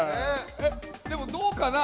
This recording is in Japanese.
でもどうかな？